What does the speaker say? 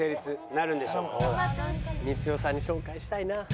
光代さんに紹介したいな。